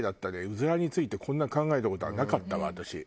うずらについてこんな考えた事はなかったわ私。